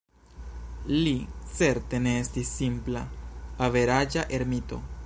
Li certe ne estis simpla, "averaĝa" ermito.